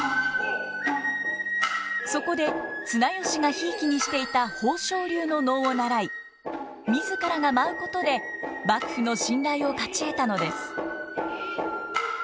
そこで綱吉がひいきにしていた宝生流の能を習い自らが舞うことで幕府の信頼を勝ち得たのです。